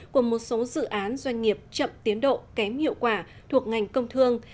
của một số dự án doanh nghiệp chậm tiến độ kém hiệu quả thuộc ngành công thương